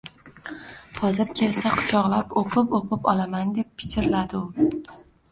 «Hozir kelsa… quchoqlab oʼpib-oʼpib olaman!» deb pichirladi u